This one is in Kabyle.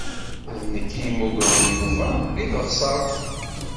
D nekk i yemmugren Yuba deg teɣsert.